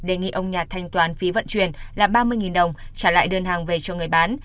đề nghị ông nhạc thanh toán phí vận chuyển là ba mươi đồng trả lại đơn hàng về cho người bán